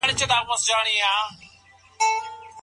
آیا انسان بايد له مالي پلوه قوي وي؟